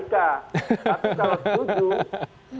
tapi kalau setuju